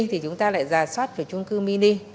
thì chúng ta lại giả soát về trung cư mini